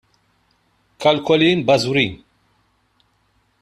Kalkoli mbażwrin!